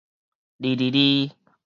離離離